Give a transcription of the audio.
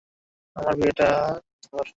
আমার বিয়ারটা ধর।